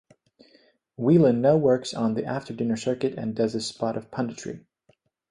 Whelan now works on the after-dinner circuit and does a spot of punditry.